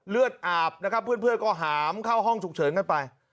เลือดอาบนะครับเพื่อนก็หามเข้าห้องฉุกเฉินกันไป